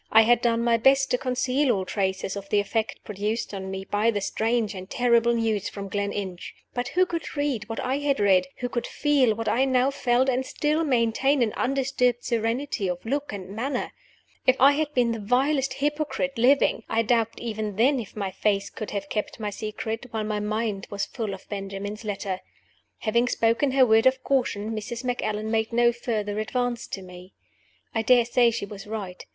I had done my best to conceal all traces of the effect produced on me by the strange and terrible news from Gleninch. But who could read what I had read, who could feel what I now felt, and still maintain an undisturbed serenity of look and manner? If I had been the vilest hypocrite living, I doubt even then if my face could have kept my secret while my mind was full of Benjamin's letter. Having spoken her word of caution, Mrs. Macallan made no further advance to me. I dare say she was right.